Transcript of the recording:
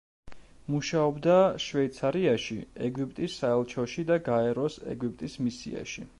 მუშაობდა შვეიცარიაში ეგვიპტის საელჩოში და გაეროს ეგვიპტის მისიაში.